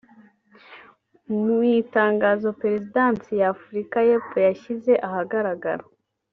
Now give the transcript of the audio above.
Mu itangazo Perezidansi ya Afurika y’Epfo yashyize ahagaragara